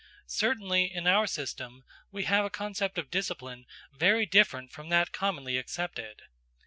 Certainly in our system, we have a concept of discipline very different from that commonly accepted.